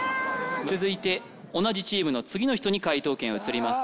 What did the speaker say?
続いて同じチームの次の人に解答権移ります